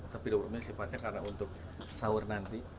tapi dokumen sifatnya karena untuk sahur nanti